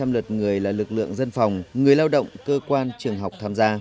một trăm linh lượt người là lực lượng dân phòng người lao động cơ quan trường học tham gia